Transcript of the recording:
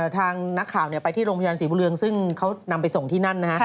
ทางนักข่าวไปที่โรงพยาบาลศรีบุเรืองซึ่งเขานำไปส่งที่นั่นนะฮะ